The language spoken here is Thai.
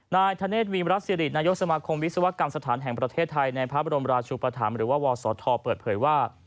นายธเนธวิมรัฐสิรินายกสมาคมวิศวกรรมสถานแห่งประเทศไทยในพระบรมราชุปธรรมหรือว่าวศธเปิดเผยว่า